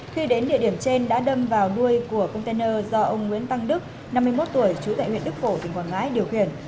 khi đến địa điểm trên đã đâm vào đuôi của container do ông nguyễn tăng đức năm mươi một tuổi chú tại huyện đức phổ tỉnh quảng ngãi điều khiển